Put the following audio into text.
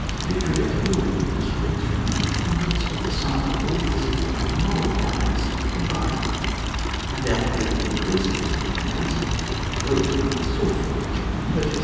Victory, as a rule, springs from a pre ponderance of the sum of all the physical and moral powers combined; undoubt edly it increases this preponderance, or it would not be sought for and purchased • See Chapters lY.